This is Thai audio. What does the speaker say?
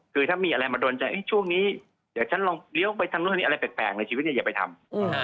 คือถ้ามีอะไรมาโดนใจช่วงนี้เดี๋ยวฉันลองเลี้ยวไปทางนู้นนี่อะไรแปลกในชีวิตเนี่ยอย่าไปทำ